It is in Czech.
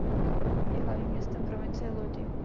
Je hlavním městem provincie Lodi.